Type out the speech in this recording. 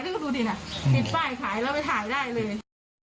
ดูดิน่ะติดป้ายขายแล้วไปถ่ายได้เลย